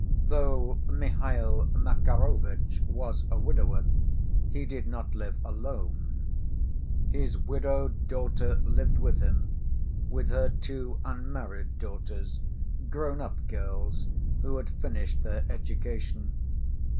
Though Mihail Makarovitch was a widower, he did not live alone. His widowed daughter lived with him, with her two unmarried daughters, grown‐up girls, who had finished their education.